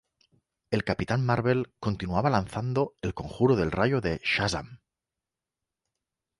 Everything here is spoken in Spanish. El Capitán Marvel continuaba lanzado el conjuro del rayo de Shazam!